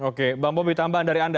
oke bambu bintang banda dari anda